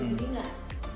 untuk menikmati waktunya